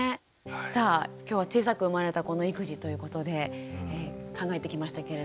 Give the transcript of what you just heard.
さあ今日は「小さく生まれた子の育児」ということで考えてきましたけれども。